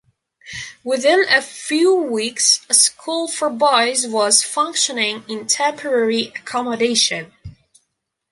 Within a few weeks a school for boys was functioning in temporary accommodation.